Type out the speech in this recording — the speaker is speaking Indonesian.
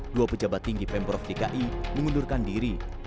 dua pejabat tinggi pemprov dki mengundurkan diri